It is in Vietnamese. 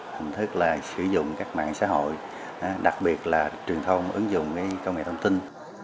hình thức là sử dụng các mạng xã hội đặc biệt là truyền thông ứng dụng công nghệ thông tin